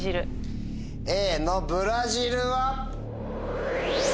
Ａのブラジルは。